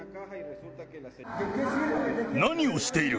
何をしている？